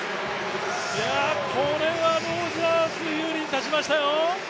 これはロジャース、有利に立ちましたよ。